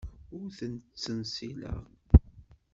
Ur ten-ttsenṣileɣ.